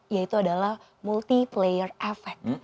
yaitu adalah multiplayer efek